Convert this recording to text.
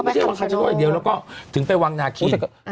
ใช่ค่ะไว้